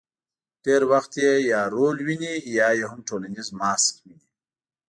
ډېر وخت یې یا رول ویني، یا یې هم ټولنیز ماسک ویني.